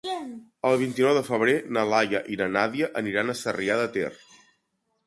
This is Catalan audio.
El vint-i-nou de febrer na Laia i na Nàdia aniran a Sarrià de Ter.